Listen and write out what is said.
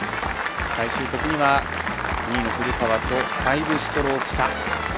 最終的には２位の古川と５ストローク差。